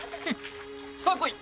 さあこい！